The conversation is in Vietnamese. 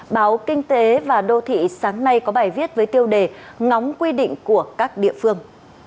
báo kinh tế và đô thị sáng nay có bài viết với tiêu đề ngóng quy định của các địa phương